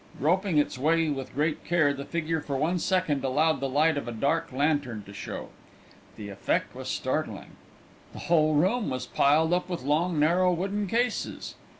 Groping its way with great care, the figure for one second allowed the light of a dark lantern to show. The effect was startling. The whole room was piled up with long narrow wooden cases.